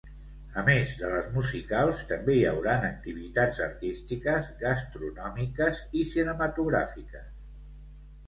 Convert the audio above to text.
A més de les musicals, també hi hauran activitats artístiques, gastronòmiques i cinematogràfiques.